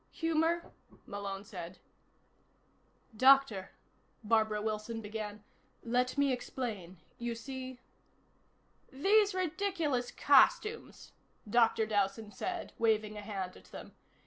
"Humor?" Malone said. "Doctor," Barbara Wilson began, "let me explain. You see " "These ridiculous costumes," Dr. Dowson said, waving a hand at them.